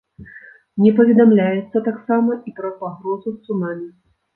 Не паведамляецца таксама і пра пагрозу цунамі.